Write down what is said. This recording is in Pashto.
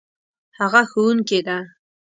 هغه ښوونکې ده